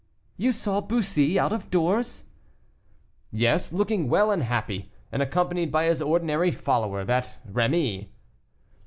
"You saw Bussy out of doors?" "Yes, looking well and happy, and accompanied by his ordinary follower, that Rémy."